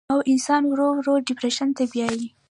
او انسان ورو ورو ډپرېشن ته بيائي